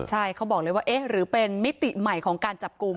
ใช่เขาบอกเลยว่าเอ๊ะหรือเป็นมิติใหม่ของการจับกลุ่ม